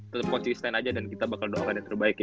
tetap konsisten aja dan kita bakal doakan yang terbaik ya